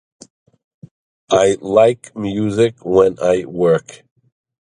I like music when I work.